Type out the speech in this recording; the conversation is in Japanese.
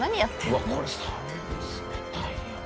うわっこれ寒い冷たいよ。